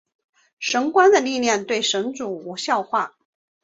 神官的力量对神族无效化。